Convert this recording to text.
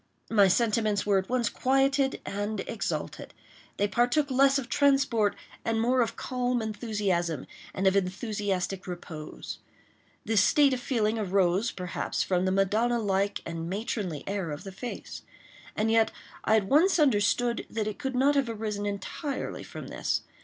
My sentiments were at once quieted and exalted. They partook less of transport and more of calm enthusiasm—of enthusiastic repose. This state of feeling arose, perhaps, from the Madonna like and matronly air of the face; and yet I at once understood that it could not have arisen entirely from this.